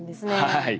はい。